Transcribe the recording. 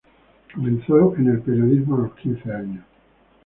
Comenzó en el periodismo a los quince años.